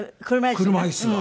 車椅子が？